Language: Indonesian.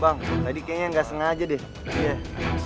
bang tadi kayaknya nggak sengaja deh